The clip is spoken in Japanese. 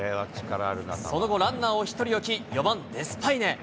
その後、ランナーを１人置き、４番デスパイネ。